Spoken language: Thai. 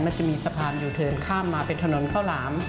จะมีสะพานยูเทิร์นข้ามมาเป็นถนนข้าวหลาม